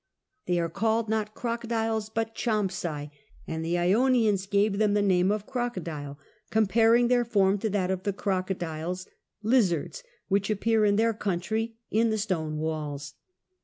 They are called not crocodiles but champsai, and the Ionians gave them the name of crocodile, comparing their form to that of the crocodiles (lizards) which appear in their country in the stone walls.